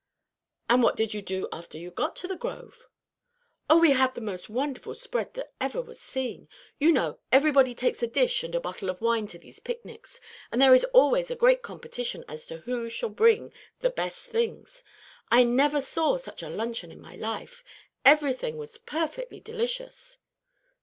"And what did you do after you got to the grove?" "Oh, we had the most wonderful spread that ever was seen. You know, everybody takes a dish and a bottle of wine to these picnics; and there is always a great competition as to who shall bring the best things. I never saw such a luncheon in my life; everything was perfectly delicious."